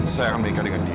saya akan berikah dengan dia